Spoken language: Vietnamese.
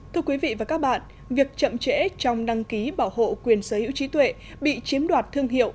thưa quý vị và các bạn việc chậm trễ trong đăng ký bảo hộ quyền sở hữu trí tuệ bị chiếm đoạt thương hiệu